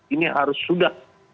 ini harus sudah